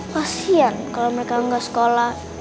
kasian kalo mereka gak sekolah